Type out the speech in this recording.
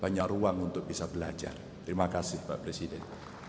banyak ruang untuk bisa belajar terima kasih pak presiden